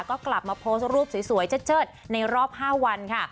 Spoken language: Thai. ก็กลับมาโพสต์รูปสวยเชิดในรอบ๕วันค่ะ